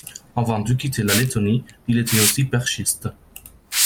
Avant de quitter la Lettonie, il était aussi perchiste.